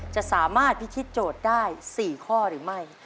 จะสามารถพิธีโจทย์ได้๔ข้อหรือไม่